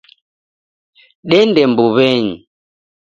Dende mbuw'enyi.